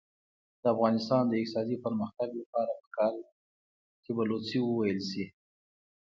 د افغانستان د اقتصادي پرمختګ لپاره پکار ده چې بلوڅي وویل شي.